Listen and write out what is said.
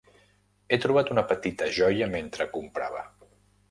He trobat una petita joia mentre comprava.